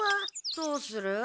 どうする？